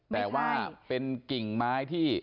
แต่ว่าเป็นกิ่งไม้ที่